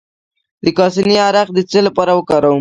د کاسني عرق د څه لپاره وکاروم؟